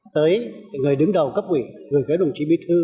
tới người đứng đầu cấp ủy gửi tới đồng chí bí thư